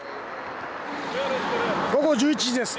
午後１１時です。